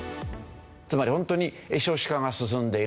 つまり本当に少子化が進んでいる。